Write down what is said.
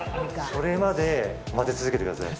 それまで混ぜ続けてください。